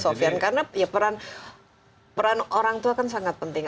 sofian karena ya peran orang tua kan sangat penting